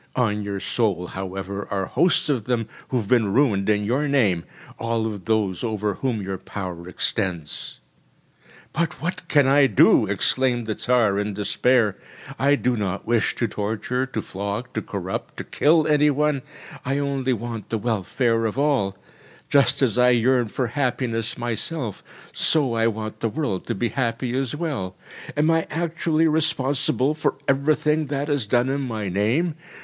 On your soul, however, are hosts of them, who have been ruined in your name, all of those over whom your power extends. “But what can I do?‚ÄĚ exclaimed the Tsar in despair. “I do not wish to torture, to flog, to corrupt, to kill any one! I only want the welfare of all. Just as I yearn for happiness myself, so I want the world to be happy as well. Am I actually responsible for everything that is done in my name?